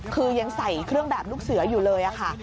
คือยังใส่เครื่องแบบลูกเสืออยู่เลยค่ะ